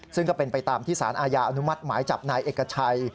ซึ่งก็เป็นไปตามที่สารอาญาอนุมัติหมายจับนายเอกชัย